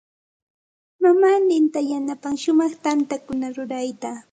Mamaaninta yanapan shumaq tantakuna rurayta.